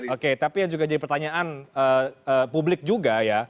oke tapi yang juga jadi pertanyaan publik juga ya